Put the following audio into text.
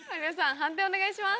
判定お願いします。